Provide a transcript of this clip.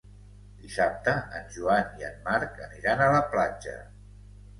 Dissabte en Joan i en Marc aniran a la platja.